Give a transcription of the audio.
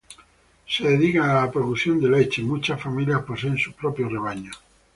Se dedican a la producción de leche, muchas familias poseen sus propios rebaños.